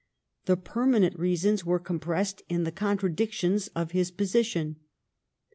The permanent reasons wer& compressed in the contradictions of his position.